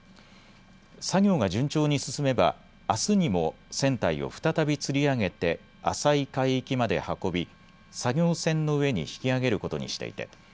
作業が順調に進めばあすにも船体を再びつり上げて浅い海域まで運び作業船の上に引き揚げることにしていて